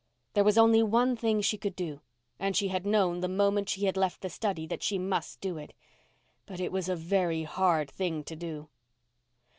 There was only one thing she could do—and she had known the moment she had left the study that she must do it. But it was a very hard thing to do.